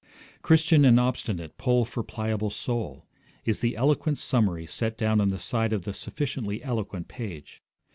'Christian and Obstinate pull for Pliable's soul' is the eloquent summary set down on the side of the sufficiently eloquent page.